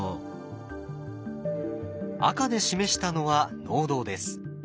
赤で示したのは農道です。